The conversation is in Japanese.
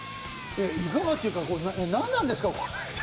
いかがっていうか何なんですか！